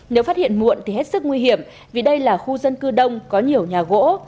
nếu phát hiện muộn thì hết sức nguy hiểm vì đây là khu dân cư đông có nhiều nhà gỗ